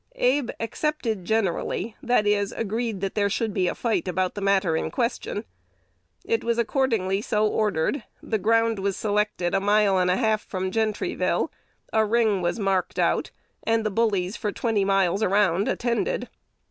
Abe accepted generally; that is, agreed that there should be a fight about the matter in question. It was accordingly so ordered: the ground was selected a mile and a half from Gentryville, a ring was marked out, and the bullies for twenty miles around attended.